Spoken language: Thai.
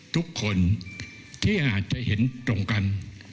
ทุกคนที่อาจจะเห็นตรงกัน